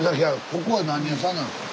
ここは何屋さんなんですか？